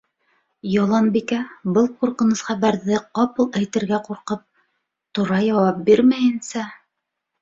Яланбикә, был ҡурҡыныс хәбәрҙе ҡапыл әйтергә ҡурҡып, тура яуап бирмәйенсә: